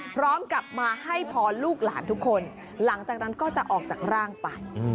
พร้อมกับมาให้พรลูกหลานทุกคนหลังจากนั้นก็จะออกจากร่างไป